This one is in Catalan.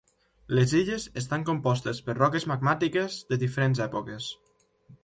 Les illes estan compostes per roques magmàtiques de diferents èpoques.